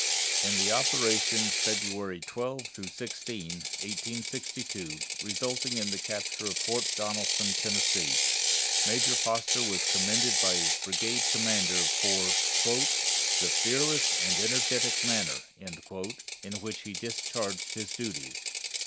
In the operations February 12 16, 1862, resulting in the capture of Fort Donelson, Tennessee, Major Foster was commended by his brigade commander for "the fearless and energetic manner" in which he discharged his duties.